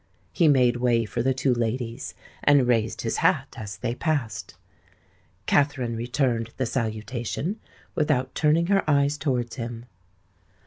He made way for the two ladies, and raised his hat as they passed. Katherine returned the salutation without turning her eyes towards him.